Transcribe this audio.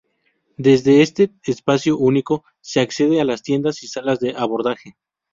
Desde este espacio único, se accede a las tiendas y salas de abordaje.